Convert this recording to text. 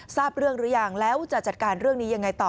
ทราบเรื่องหรือยังแล้วจะจัดการเรื่องนี้ยังไงต่อ